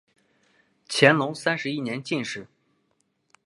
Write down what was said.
乾隆三十一年进士。